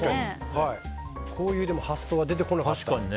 こういう発想は出てこなかった。